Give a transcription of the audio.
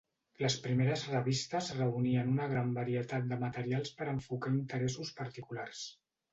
Les primeres revistes reunien una gran varietat de materials per a enfocar interessos particulars.